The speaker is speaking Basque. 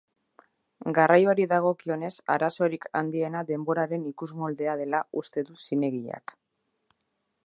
Garraioari dagokionez arazorik handiena denboraren ikusmoldea dela uste du zinegileak.